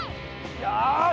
よし！